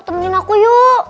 temenin aku yuk